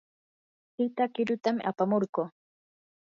tita qirutam apamurquu.